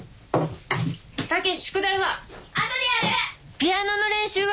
ピアノの練習は？